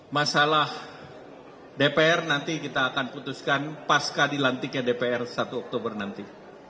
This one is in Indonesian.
masalah dpr nanti kita akan putuskan pasca dilantiknya dpr satu oktober nanti